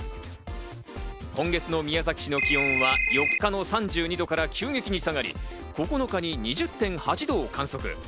今月の宮崎市の気温は４日の３２度から急激に下がり、９日に２０．８度を観測。